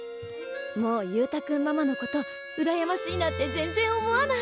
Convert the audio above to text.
もう勇太君ママのことうらやましいなんて全然思わない。